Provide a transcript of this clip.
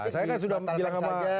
saya kan sudah bilang sama dia